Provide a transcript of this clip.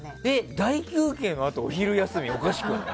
大休憩のあと、お昼休みっておかしくない？